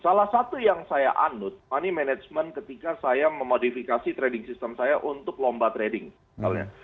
salah satu yang saya andut money management ketika saya memodifikasi trading sistem saya untuk lomba trading kalo ya